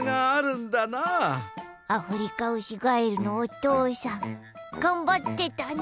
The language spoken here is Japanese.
アフリカウシガエルのおとうさんがんばってたね！